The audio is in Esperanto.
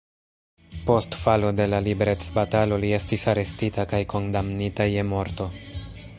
Post falo de la liberecbatalo li estis arestita kaj kondamnita je morto.